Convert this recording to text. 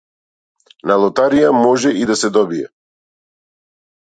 На лотарија може и да се добие.